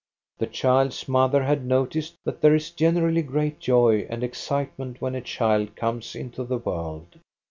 The child's mother had noticed that there is gen erally great joy and excitement when a child comes into the world.